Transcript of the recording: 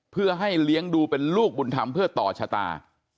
เพื่อให้เลี้ยงดูเป็นลูกบุญธรรมเพื่อต่อชะตา